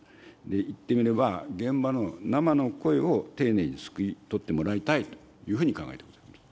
いってみれば、現場の生の声を丁寧にすくい取ってもらいたいというふうに考えてございます。